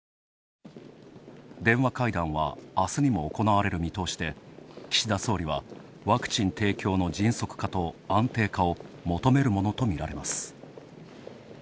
電話会談はあすにも行われる見通しで岸田総理は、ワクチン提供の迅速化と安定化を求めるものとみられます。